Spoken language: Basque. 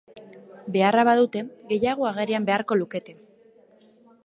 Beharra badute, gehiago agerian beharko lukete!